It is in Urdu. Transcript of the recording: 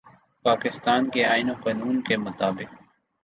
پاکستان کے آئین و قانون کے مطابق